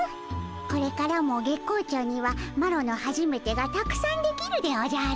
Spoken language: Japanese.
これからも月光町にはマロのはじめてがたくさんできるでおじゃる。